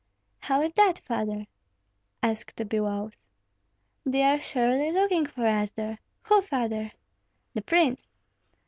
"How is that, father?" asked Biloüs. "They are surely looking for us there." "Who, father?" "The prince."